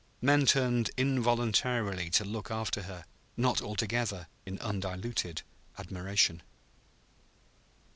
Men turned involuntarily to look after her, not altogether in undiluted admiration.